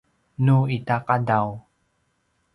nu ita qadav